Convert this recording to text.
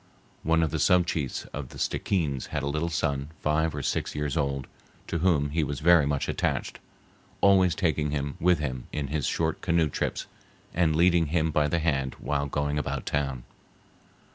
One of the sub chiefs of the Stickeens had a little son five or six years old, to whom he was very much attached, always taking him with him in his short canoe trips, and leading him by the hand while going about town.